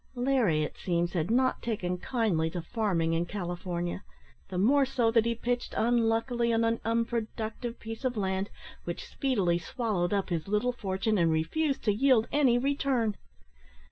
Larry, it seems, had not taken kindly to farming in California, the more so that he pitched unluckily on an unproductive piece of land, which speedily swallowed up his little fortune, and refused to yield any return.